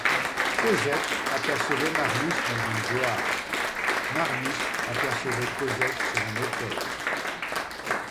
Cosette apercevait Marius dans une gloire ; Marius apercevait Cosette sur un autel.